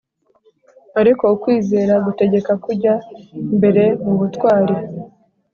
ariko ukwizera gutegeka kujya mbere mu butwari,